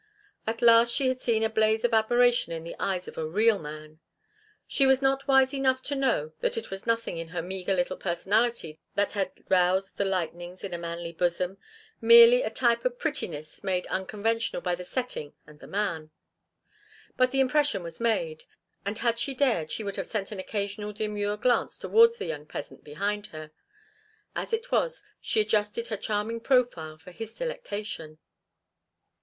At last she had seen a blaze of admiration in the eyes of a real man. She was not wise enough to know that it was nothing in her meagre little personality that had roused the lightnings in a manly bosom, merely a type of prettiness made unconventional by the setting and the man. But the impression was made, and had she dared she would have sent an occasional demure glance towards the young peasant behind her; as it was she adjusted her charming profile for his delectation.